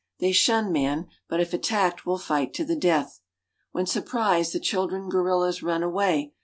They shun man, but if attacked will fight to the death. When surprised the children gorillas run away